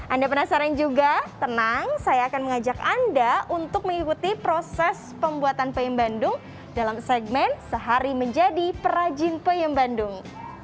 anda penasaran juga tenang saya akan mengajak anda untuk mengikuti proses pembuatan peyem bandung dalam segmen sehari menjadi perajin peyem bandung